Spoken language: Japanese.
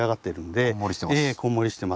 こんもりしてます。